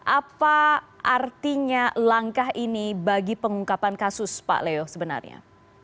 apa artinya langkah ini bagi pengungkapan kasus pak leo sebenarnya